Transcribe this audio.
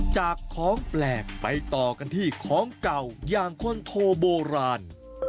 จากของแปลกไปต่อกันที่ของเก่าอย่างคนโทโบราณ